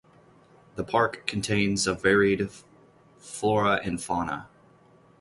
The Park contains a varied flora and fauna.